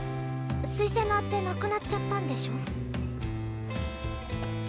推薦の当てなくなっちゃったんでしょ？